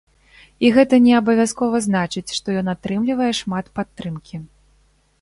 І гэта не абавязкова значыць, што ён атрымлівае шмат падтрымкі.